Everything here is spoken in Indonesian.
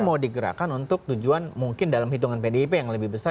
mau digerakkan untuk tujuan mungkin dalam hitungan pdip yang lebih besar